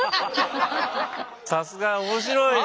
さすが面白いね。